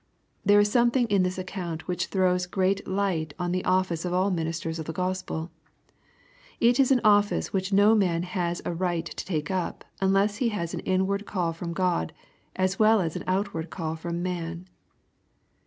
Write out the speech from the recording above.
There is something in this account which throws great light on the office of all ministers of the Gospel It is an office which no man has a right to take up, unless be has an inward call from God, as well as an outward call from man.